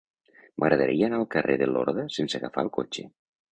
M'agradaria anar al carrer de Lorda sense agafar el cotxe.